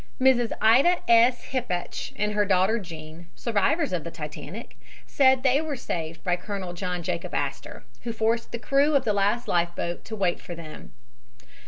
Mrs. Ida S. Hippach and her daughter Jean, survivors of the Titanic, said they were saved by Colonel John Jacob Astor, who forced the crew of the last life boat to wait for them.